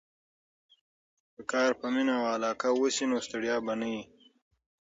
که کار په مینه او علاقه وسي نو ستړیا به نه وي.